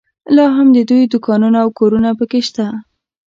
لا هم د دوی دوکانونه او کورونه په کې شته.